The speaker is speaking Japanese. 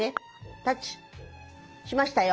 タッチしましたよ。